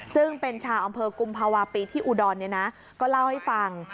ซึ่งเป็นชาวอำเภอกุมภาวะปีที่อุดรก็เล่าให้ฟัง